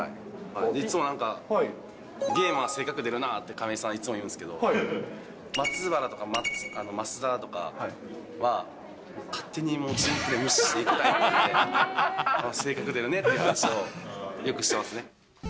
いつもなんか、ゲームは性格出るなって亀井さん、いつも言うんですけど、松原とか増田とかは、勝手にもう、チームプレー無視していくタイプなんで、性格出るねっていう話をよくしてますね。